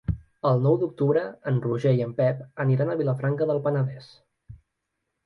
El nou d'octubre en Roger i en Pep aniran a Vilafranca del Penedès.